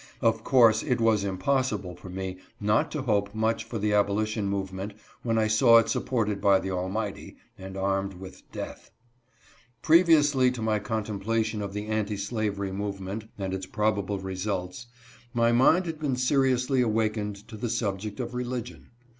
Of course it was impos sible for me mTt_toJhope much for the abolition movement when I saw it supported by the Almighty, and armed : with DEATH. Previously_to_my contemplation of the anti slavery move »/. ment and its probable results, my mind had been seriously awakened_tfluthe subject of Religion.